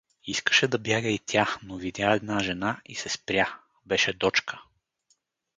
Искаше да бяга и тя, но видя една жена и се спря: беше Дочка.